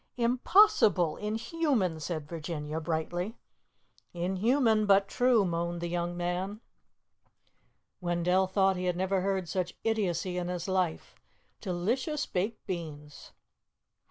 "Impossible! Inhuman!" said Virginia brightly. "Inhuman, but true," moaned the young man. Wendell thought he had never heard such idiocy in his life. Delicious baked beans!